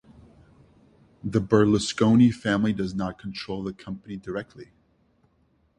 The Berlusconi family does not control the company directly.